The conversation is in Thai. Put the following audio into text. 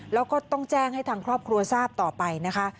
แล้วก็ต้องแจ้งให้ทางครอบครัวทราบต่อไปนะคะ